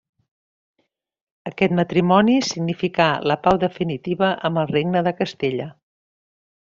Aquest matrimoni significà la pau definitiva amb el Regne de Castella.